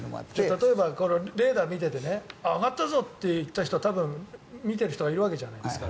例えばレーダーを見ていて上がったぞ！って言っている人見ている人はいるわけじゃないですか。